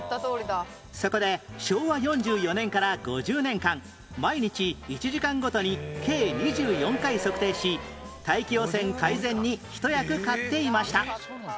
そこで昭和４４年から５０年間毎日１時間ごとに計２４回測定し大気汚染改善に一役買っていました